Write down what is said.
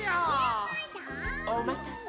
おまたせ。